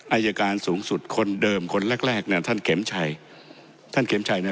อายการสูงสุดคนเดิมคนแรกแรกเนี่ยท่านเข็มชัยท่านเข็มชัยเนี่ย